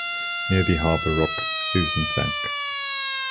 Near the Harbour Rock "Susan" sank.